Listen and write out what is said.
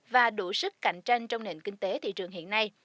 và đủ sức cạnh tranh trong nền kinh tế thị trường hiện nay